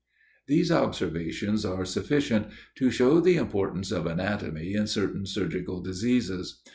These observations are sufficient to show the importance of anatomy in certain surgical diseases.